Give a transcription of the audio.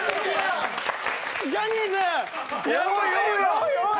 おいおい